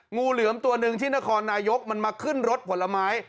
งูเหลือมตัวหนึ่งที่นครนายกมันมาขึ้นรถผลไม้